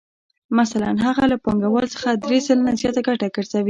مثلاً هغه له پانګوال څخه درې سلنه زیاته ګټه ګرځوي